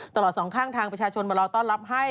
สองข้างทางประชาชนมารอต้อนรับให้